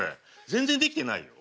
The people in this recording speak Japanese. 全然できてないよ。